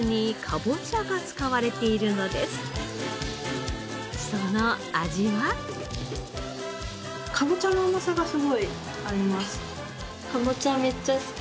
かぼちゃの甘さがすごいあります。